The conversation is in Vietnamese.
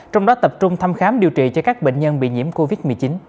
trong đó tập trung thăm khám điều trị cho các bệnh nhân bị nhiễm covid một mươi chín